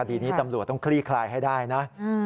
คดีนี้ตำรวจต้องคลี่คลายให้ได้นะ